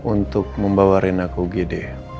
untuk membawa rena ke ugd